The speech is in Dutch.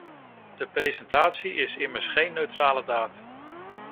De presentatie is immers geen neutrale daad.